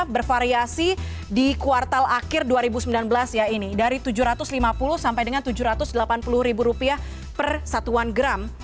bervariasi di kuartal akhir dua ribu sembilan belas ya ini dari rp tujuh ratus lima puluh sampai dengan rp tujuh ratus delapan puluh per satuan gram